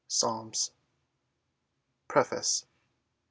Psalms. PREFACE.